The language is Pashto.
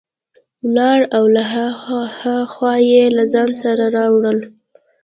ولاړ او له ها خوا یې له ځان سره راوړل.